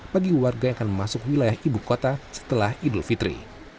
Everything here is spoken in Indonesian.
bagi warga yang akan masuk wilayah ibu kota setelah idul fitri